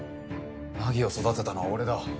凪を育てたのは俺だ。